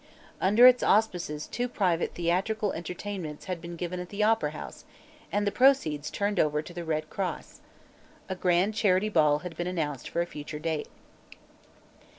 Under its auspices two private theatrical entertainments had been given at the Opera House and the proceeds turned over to the Red Cross. A grand charity ball had been announced for a future date.